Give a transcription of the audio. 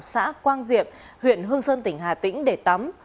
xã quang diệm huyện hương sơn tỉnh hà tĩnh để tắm